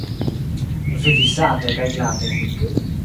Vivi sate kaj glate.